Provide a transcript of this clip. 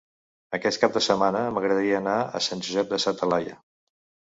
Aquest cap de setmana m'agradaria anar a Sant Josep de sa Talaia.